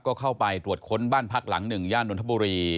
ก็เข้าไปตรวจค้นบ้านพักหลังหนึ่งย่านนทบุรี